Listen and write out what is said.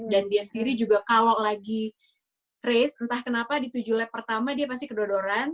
dan dia sendiri juga kalau lagi race entah kenapa di tujuh lap pertama dia pasti kedodoran